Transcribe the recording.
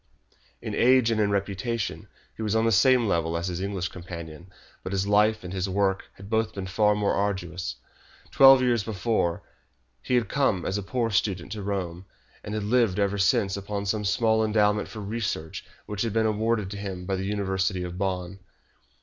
In age and in reputation, he was on the same level as his English companion, but his life and his work had both been far more arduous. Twelve years before, he had come as a poor student to Rome, and had lived ever since upon some small endowment for research which had been awarded to him by the University of Bonn.